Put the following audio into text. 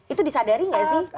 itu disadari gak sih